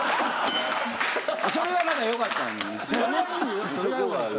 それがまた良かったんですかね？